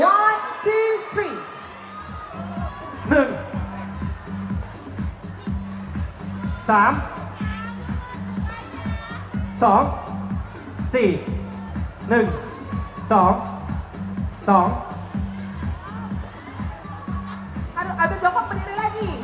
อย่ามุ่นดูร